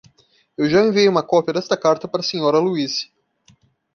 Eu já enviei uma cópia desta carta para a Sra. Louise.